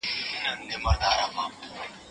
د ښځو په اړه له چا څخه بايد وويريږو؟